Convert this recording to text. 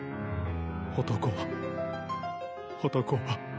男は男は。